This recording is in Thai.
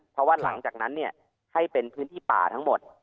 เพราะว่าหลังจากนั้นให้เป็นพื้นที่ป่าทั้งหมด